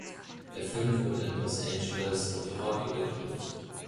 Der Film wurde in Los Angeles und in Toronto gedreht.